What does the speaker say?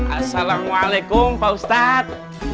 assalamualaikum pak ustadz